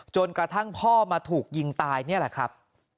จนกระทั่งพ่อมาถูกยิงตายนี่แหละครับ